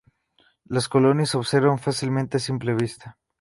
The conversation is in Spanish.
Las colonias, se observan fácilmente a simple vista.